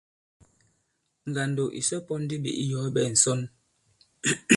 Ngàndò ìsɔ pɔ̄n ndi ɓě iyɔ̀ɔ ɓɛ̄ɛ ŋ̀sɔnl.